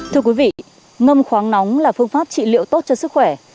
thưa quý vị ngâm khoáng nóng là phương pháp trị liệu tốt cho sức khỏe